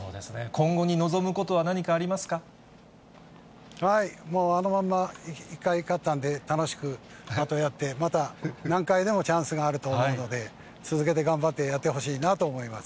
今後に望むことあのまんま、１回勝ったんで、楽しくまたやって、また何回でもチャンスがあると思うので、続けて頑張ってやってほしいなと思います。